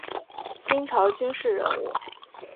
清朝军事人物。